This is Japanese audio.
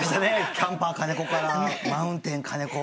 キャンパー金子からマウンテン金子。